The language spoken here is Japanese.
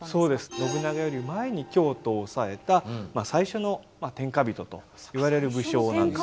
信長より前に京都を押さえた最初の天下人といわれる武将なんです。